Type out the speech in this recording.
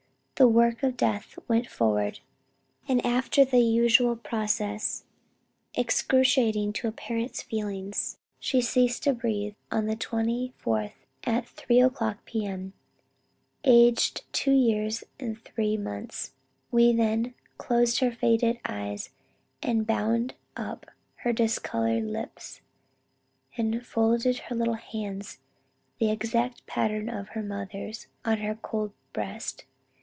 The work of death went forward, and after the usual process, excruciating to a parent's feelings, she ceased to breathe on the 24th inst., at 3 o'clock P.M., aged 2 years and 3 months. We then closed her faded eyes, and bound up her discolored lips, and folded her little hands the exact pattern of her mother's on her cold breast.